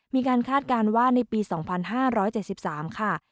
คาดการณ์ว่าในปี๒๕๗๓ค่ะ